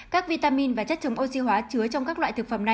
các vitamin và chất chống oxy hóa chứa trong các loại thực phẩm này